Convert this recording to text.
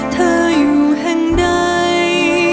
เธออยู่แห่งใด